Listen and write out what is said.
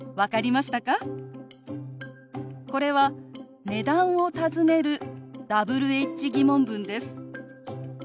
これは値段を尋ねるＷｈ−疑問文です。